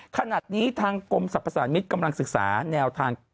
ขณะนี้ทางกรมสรรพสารมิตรกำลังศึกษาแนวทาง